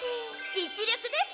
実力です！